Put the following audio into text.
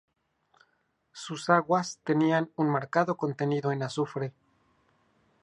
Sus aguas tenían un marcado contenido en azufre.